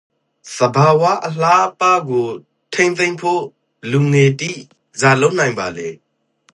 သဘာဝအလှအပကိုထိန်းသိမ်းဖို့လူငယ်တိဇာလုပ်နိုင်ပါလည်း